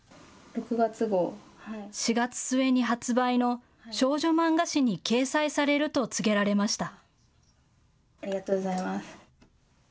４月末に発売の少女漫画誌に掲載されると告げられました。